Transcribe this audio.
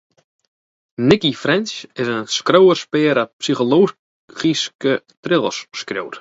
Nicci French is in skriuwerspear dat psychologyske thrillers skriuwt.